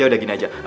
yaudah gini aja